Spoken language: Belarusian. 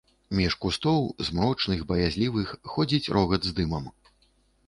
Між кустоў, змрочных, баязлівых, ходзіць рогат з дымам.